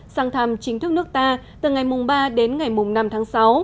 sang thăm chính thức nước ta từ ngày ba đến ngày năm tháng sáu